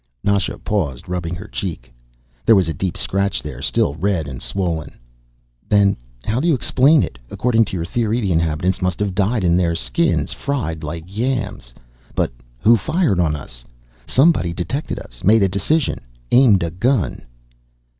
Nasha paused, rubbing her cheek. There was a deep scratch there, still red and swollen. "Then how do you explain it? According to your theory the inhabitants must have died in their skins, fried like yams. But who fired on us? Somebody detected us, made a decision, aimed a gun."